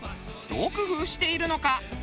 どう工夫しているのか？